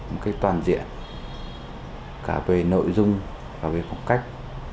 một cách toàn diện cả về nội dung cả về phong cách